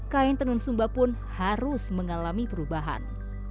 kain tenun sumba pun harus mengalami perubahan